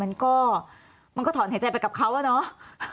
มันก็ถอนหัวใจไปกับเขาเอะเนอะ